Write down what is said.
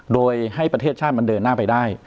โดยให้ประเทศชาติมันเดินหน้าไปได้